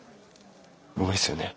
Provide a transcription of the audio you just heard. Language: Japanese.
うまいっすよね。